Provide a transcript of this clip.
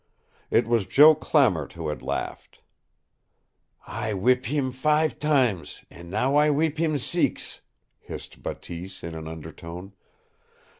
It was Joe Clamart who had laughed. "I w'ip heem five time, an' now I w'ip heem seex!" hissed Bateese in an undertone.